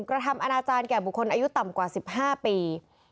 กระทำอนาจารย์แก่บุคคลอายุต่ำกว่า๑๕ปี